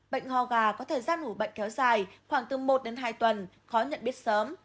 bệnh ho gà có thời gian ủ bệnh kéo dài khoảng từ một đến hai tuần khó nhận biết sớm